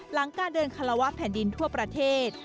หลังการเดินคาราวะแผ่นดินทั่วประเทศ